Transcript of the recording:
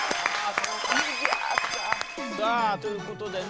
さあという事でね